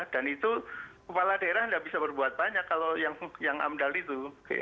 dan itu kepala daerah tidak bisa berbuat banyak kalau yang amdal itu